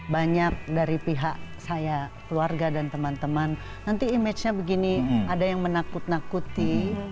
banyak dari pihak saya keluarga dan teman teman nanti image nya begini ada yang menakut nakuti